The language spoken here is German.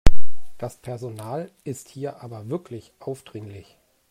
Das Personal ist hier aber wirklich aufdringlich.